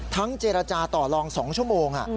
ทั้งเจรจาต่อรองสองชั่วโมง